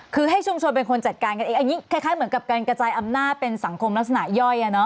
คือให้ชุมชนเป็นคนจัดการกันเองอันนี้คล้ายเหมือนกับการกระจายอำนาจเป็นสังคมลักษณะย่อย